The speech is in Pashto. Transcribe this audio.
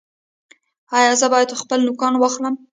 ایا زه باید خپل نوکان واخلم؟